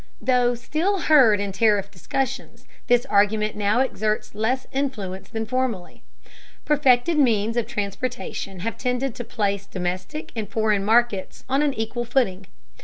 Though still heard in tariff discussions, this argument now exerts less influence than formerly. Perfected means of transportation have tended to place domestic and foreign markets on an equal footing.